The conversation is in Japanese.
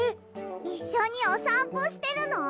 いっしょにおさんぽしてるの？